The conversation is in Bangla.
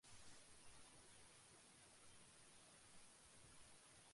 আমি যতদিন বাঁচিয়া আছি ততদিন আর তোমাকে কোনো ভাবনা ভাবিতে হইবে না।